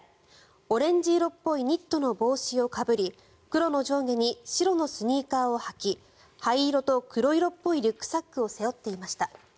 オレンジ色っぽいニットの帽子をかぶり黒の上下に白のスニーカーを履き灰色と黒色っぽいリュックサックを背負っていました。